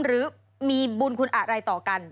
หรือมีบุญคุณอะไรต่อกัน